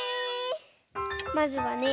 まずはね。